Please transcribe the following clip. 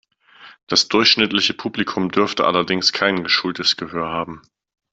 Das durchschnittliche Publikum dürfte allerdings kein geschultes Gehör haben.